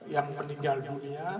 yang meninggal dunia